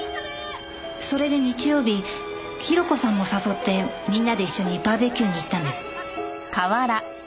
それで日曜日広子さんも誘ってみんなで一緒にバーベキューに行ったんです。